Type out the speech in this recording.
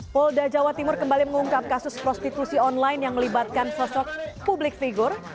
polda jawa timur kembali mengungkap kasus prostitusi online yang melibatkan sosok publik figur